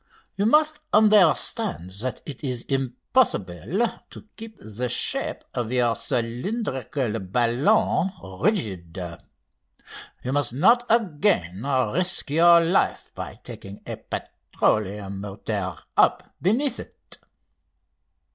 You must understand that it is impossible to keep the shape of your cylindrical balloon rigid. You must not again risk your life by taking a petroleum motor up beneath it."